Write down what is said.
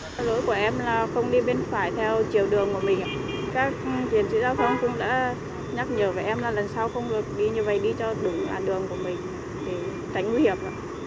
các chiến sĩ giao thông cũng đã nhắc nhở với em là lần sau không được đi như vậy đi cho đúng đoạn đường của mình tính nguy hiểm